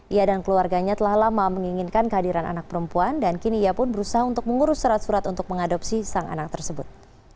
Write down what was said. ia dan keluarganya telah lama menginginkan kehadiran anak perempuan dan kini ia pun berusaha untuk mengurus surat surat untuk mengadopsi sang anak tersebut